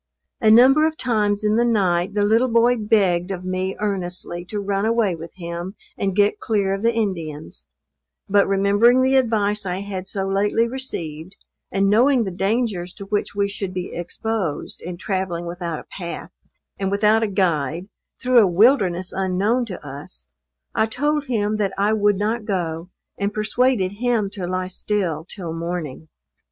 A number of times in the night the little boy begged of me earnestly to run away with him and get clear of the Indians; but remembering the advice I had so lately received, and knowing the dangers to which we should be exposed, in travelling without a path and without a guide, through a wilderness unknown to us, I told him that I would not go, and persuaded him to lie still till morning.